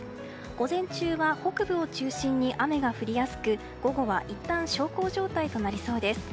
午前中は北部を中心に雨が降りやすく午後はいったん小康状態となりそうです。